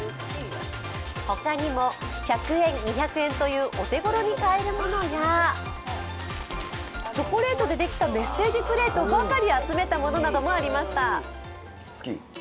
他にも、１００円、２００円というお手頃に買えるものやチョコレートで出来たメッセージプレートばかり集めたものなどがありました。